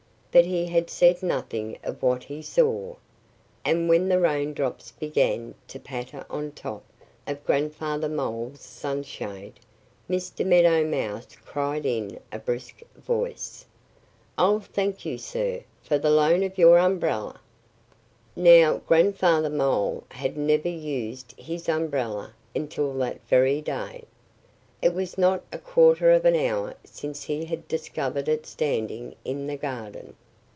But he had said nothing of what he saw. And when the rain drops began to patter on top of Grandfather Mole's sunshade Mr. Meadow Mouse cried in a brisk voice: "I'll thank you, sir, for the loan of your umbrella!" Now, Grandfather Mole had never used his umbrella until that very day. It was not a quarter of an hour since he had discovered it standing in the garden.